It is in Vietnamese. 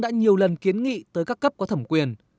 đã nhiều lần kiến nghị tới các cấp có thẩm quyền